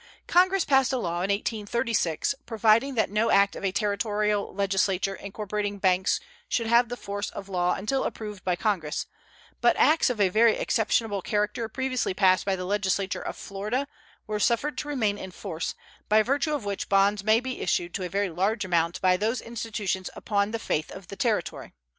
Congress passed a law in 1836 providing that no act of a Territorial legislature incorporating banks should have the force of law until approved by Congress, but acts of a very exceptionable character previously passed by the legislature of Florida were suffered to remain in force, by virtue of which bonds may be issued to a very large amount by those institutions upon the faith of the Territory.